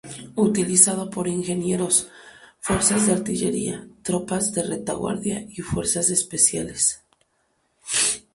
Utilizado por ingenieros, fuerzas de artillería, tropas de retaguardia y fuerzas especiales.